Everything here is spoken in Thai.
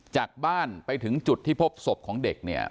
จากบ้านไปถึงจุดที่พบศพของเด็กเนี่ย